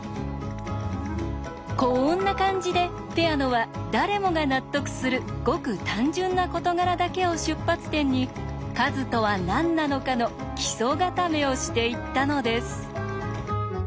こんな感じでペアノは誰もが納得するごく単純な事柄だけを出発点に「数」とは何なのかの基礎固めをしていったのです。